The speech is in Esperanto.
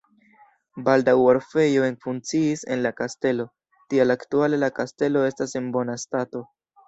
Baldaŭ orfejo ekfunkciis en la kastelo, tial aktuale la kastelo estas en bona stato.